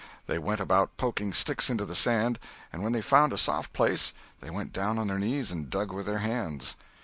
They went about poking sticks into the sand, and when they found a soft place they went down on their knees and dug with their hands.